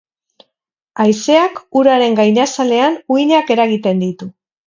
Haizeak uraren gainazalean uhinak eragiten ditu.